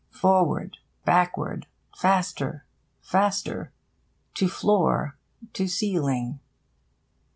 Forward! Backward! Faster, faster! To floor! To ceiling!